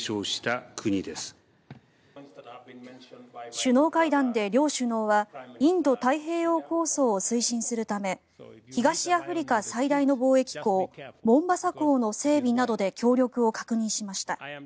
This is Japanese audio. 首脳会談で両首脳はインド太平洋構想を推進するため東アフリカ最大の貿易港モンバサ港の整備などで協力を確認しました。